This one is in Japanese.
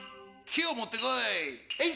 きをもってこい！